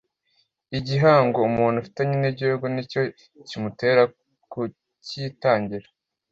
igihango umuntu afitanye n’ Igihugu nicyo kimutera kukitangira